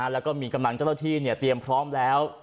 แล้วก็มีกำลังเจ้าหน้าที่เตรียมพร้อมแล้ว